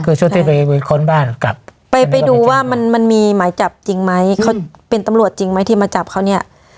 คือช่วงที่ไปค้นบ้านกลับไปไปดูว่ามันมันมีหมายจับจริงไหมเขาเป็นตำรวจจริงไหมที่มาจับเขาเนี่ย